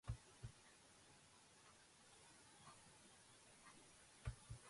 ანატომიურ სტრუქტურას, რომელშიც შეიძლება ითქვას, რომ თავმოყრილია აღმასრულებელი ფუნქციები წარმოადგენს შუბლის წილი.